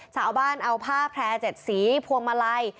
ชาวบ้านเอาผ้าแพร่๗สีพวงมาลัย